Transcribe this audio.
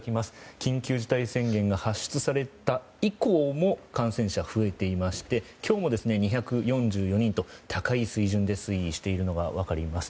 緊急事態宣言が発出されて以降も感染者が増えていて今日も２４４人と高い水準で推移しているのが分かります。